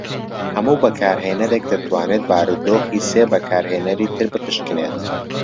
هەموو بەکارهێەرێک دەتوانێت بارودۆخی سێ بەکارهێنەری تر بپشکنێت.